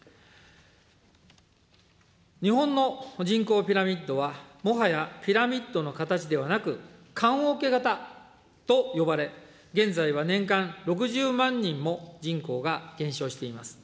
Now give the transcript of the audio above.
日本の人口ピラミッドはもはやピラミッドの形ではなく、棺おけ型と呼ばれ、現在は年間６０万人も人口が減少しています。